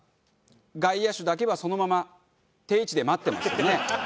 外野手だけはそのまま定位置で待ってますよね。